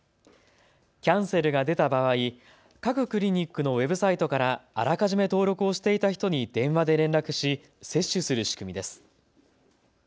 キャンセルが出た場合、各クリニックのウェブサイトからあらかじめ登録をしていた人に電話で連絡し、接種する仕組みです。